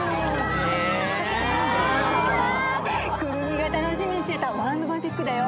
クルミが楽しみにしてたワンド・マジックだよ。